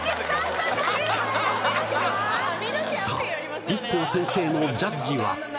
さあＩＫＫＯ先生のジャッジは？